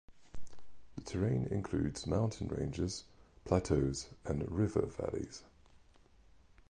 The terrain includes mountain ranges, plateaus and river valleys.